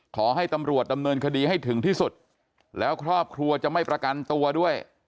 ขอให้ตำรวจดำเนินคดีให้ถึงที่สุดแล้วครอบครัวจะไม่ประกันตัวด้วย